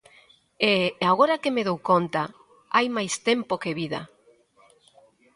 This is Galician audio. É agora que me dou conta... hai máis tempo que vida...